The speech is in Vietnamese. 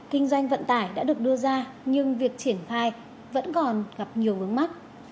kinh doanh vận tải đã được đưa ra nhưng việc triển khai vẫn còn gặp nhiều vướng mắt